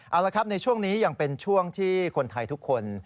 เอาละครับในช่วงนี้ยังเป็นช่วงที่คนไทยทุกคน